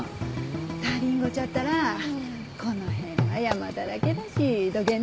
足りんごちゃったらこの辺は山だらけだしどげん